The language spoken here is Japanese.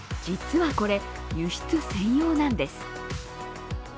実はこれ、輸出専用なんです。